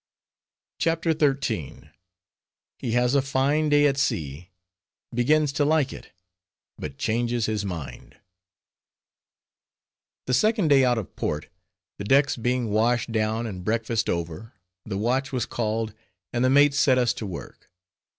CHAPTER XIII. HE HAS A FINE DAY AT SEA, BEGINS TO LIKE IT; BUT CHANGES HIS MIND The second day out of port, the decks being washed down and breakfast over, the watch was called, and the mate set us to work.